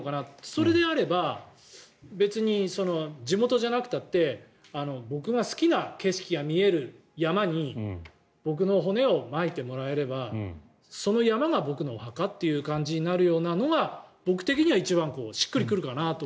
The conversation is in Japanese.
それであれば別に地元じゃなくたって僕が好きな景色が見える山に僕の骨をまいてもらえればその山が僕のお墓という感じになるようなのは僕的には一番しっくり来るかなと。